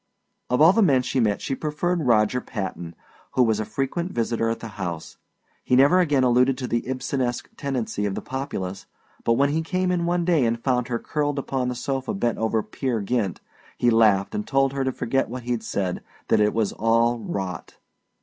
Of all the men she met she preferred Roger Patton, who was a frequent visitor at the house. He never again alluded to the Ibsenesque tendency of the populace, but when he came in one day and found her curled upon the sofa bent over "Peer Gynt" he laughed and told her to forget what he'd said that it was all rot.